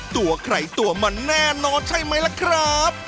ตัวใครตัวมันแน่นอนใช่ไหมล่ะครับ